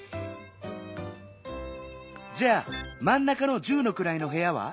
じゃあまん中の「十のくらい」のへやは？